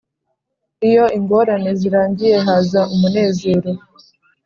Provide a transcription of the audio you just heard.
iyo ingorane zirangiye haza umunezero.